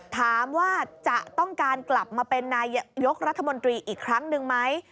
ถามว่าจะต้องการกลับมาเป็นนายกรัฐมนตรีอีกครั้งหนึ่งไหม